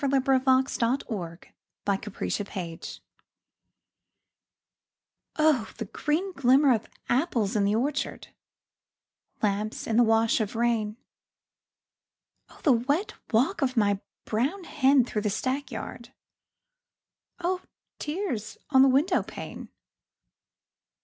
LAWRENCE BALLAD OF ANOTHER OPHELIA Oh, the green glimmer of apples in the orchard, Lamps in a wash of rain, Oh, the wet walk of my brown hen through the stackyard, Oh, tears on the window pane!